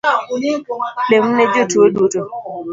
Lemne jotuo duto